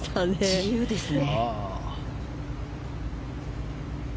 自由ですね。